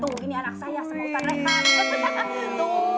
tuh ini anak saya sama ustadz rehante